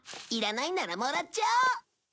いらないならもらっちゃお！